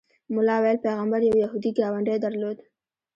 ملا ویل پیغمبر یو یهودي ګاونډی درلود.